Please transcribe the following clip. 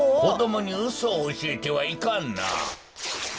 こどもにうそをおしえてはいかんな。